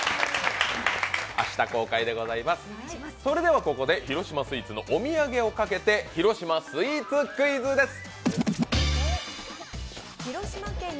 それではここで広島スイーツのお土産をかけて広島スイーツクイズです。